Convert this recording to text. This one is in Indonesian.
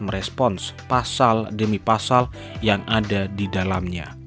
merespons pasal demi pasal yang ada di dalamnya